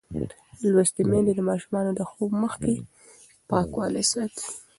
لوستې میندې د ماشومانو د خوب مخکې پاکوالی ساتي.